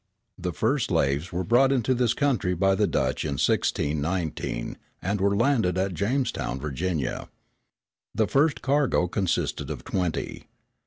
The first slaves were brought into this country by the Dutch in 1619, and were landed at Jamestown, Virginia. The first cargo consisted of twenty.